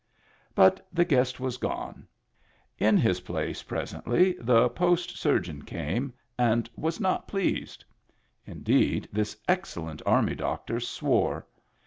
But the guest was gone. In his place pres ently the Post surgeon came, and was not pleased. Indeed, this excellent army doctor swore.